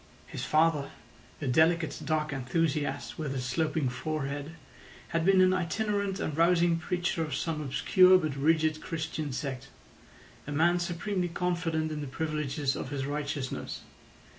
His father, a delicate dark enthusiast with a sloping forehead, had been an itinerant and rousing preacher of some obscure but rigid Christian sect—a man supremely confident in the privileges of his righteousness.